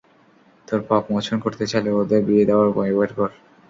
তোর পাপ মোচন করতে চাইলে ওদের বিয়ে দেওয়ার উপায় বের কর।